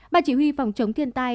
ban chỉ huy phòng chống thiên tai